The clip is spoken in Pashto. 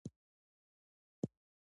بخښنه په ښوونځي کې شخړې کموي.